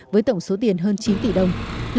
với tổng số tiền hơn chín tỷ đồng